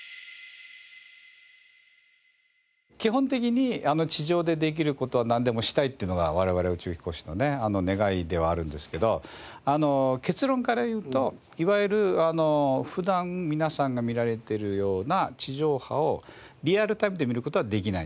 基本的に地上でできる事はなんでもしたいっていうのが我々宇宙飛行士のね願いではあるんですけど結論から言うといわゆる普段皆さんが見られているような地上波をリアルタイムで見る事はできないです。